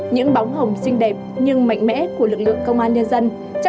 những bóng hồng xinh đẹp nhưng mạnh mẽ của lực lượng công an nhân dân